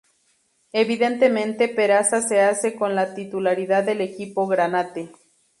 Evidentemente, Peraza se hace con la titularidad del equipo granate.